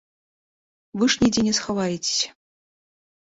Вы ж нідзе не схаваецеся.